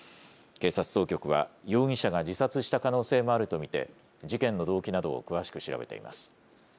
警察当局は、容疑者が自殺した可能性もあると見て、事件の動機などを詳しく調べています。